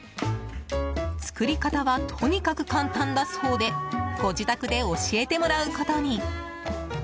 作り方は、とにかく簡単だそうでご自宅で教えてもらうことに。